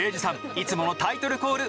いつものタイトルコール